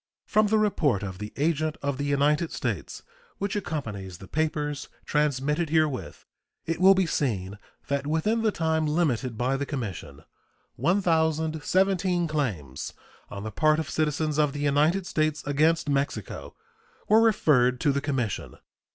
From the report of the agent of the United States, which accompanies the papers transmitted herewith, it will be seen that within the time limited by the commission 1,017 claims on the part of citizens of the United States against Mexico were referred to the commission.